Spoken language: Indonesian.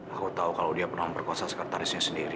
aku tahu kalau dia pernah memperkuasa sekretarisnya sendiri